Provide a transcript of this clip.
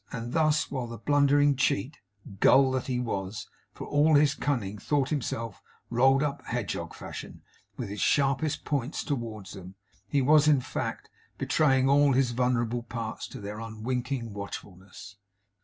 And thus while the blundering cheat gull that he was, for all his cunning thought himself rolled up hedgehog fashion, with his sharpest points towards them, he was, in fact, betraying all his vulnerable parts to their unwinking watchfulness.